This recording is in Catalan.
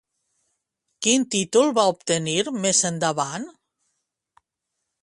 Quin títol va obtenir més endavant?